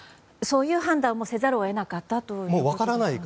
そういう判断もせざるを得なかったということですね。